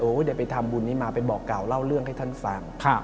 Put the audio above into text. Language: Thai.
เดี๋ยวไปทำบุญนี้มาไปบอกเก่าเล่าเรื่องให้ท่านฟัง